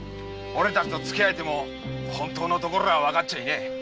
おれたちとつきあえても本当のところはわかっちゃいねえ！